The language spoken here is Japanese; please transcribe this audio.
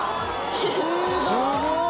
すごい！